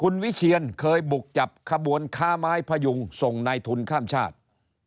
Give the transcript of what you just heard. คุณวิเชียนเคยบุกจับขบวนค้าไม้พยุงส่งนายทุนข้ามชาติ